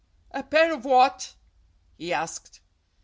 "A pair of what?" he asked.